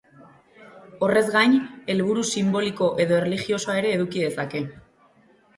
Horrez gain, helburu sinboliko edo erlijiosoa ere eduki dezake.